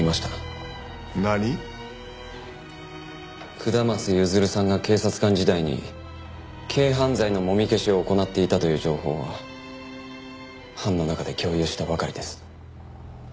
下松譲さんが警察官時代に軽犯罪のもみ消しを行っていたという情報は班の中で共有したばかりです。